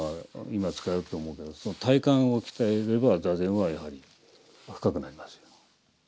今使うと思うけどその体幹を鍛えれば坐禅はやはり深くなりますよ。